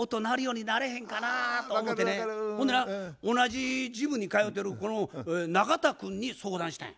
ほんでな同じジムに通うてる中田君に相談したんや。